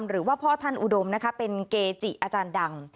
หรือว่าพ่อท่านอุดมนะคะเป็นเกจิอาจารย์ดัง